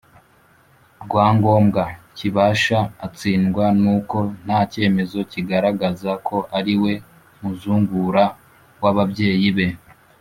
rwa Ngoma Kibasha atsindwa n uko nta cyemezo kigaragaza ko ariwe muzungura w ababyeyi be